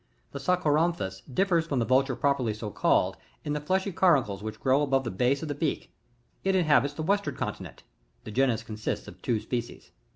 The Sarcoramphus differs from the Vulture properly so called in the fleshy caruncles which grow above the base of the beak ; it inhabits the western continent [The genus consists c^ two species.